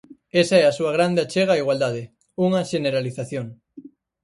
Esa é a súa grande achega á igualdade, unha xeneralización.